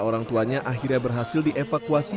orang tuanya akhirnya berhasil dievakuasi